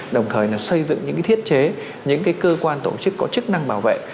đồng thời là xây dựng những thiết chế những cơ quan tổ chức có chức năng bảo vệ